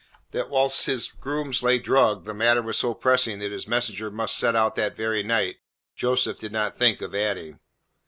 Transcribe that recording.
That whilst his grooms lay drugged the matter was so pressing that his messenger must set out that very night, Joseph did not think of adding.